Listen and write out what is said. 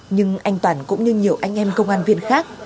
nhưng anh toàn cũng như nhiều anh em công an viên khác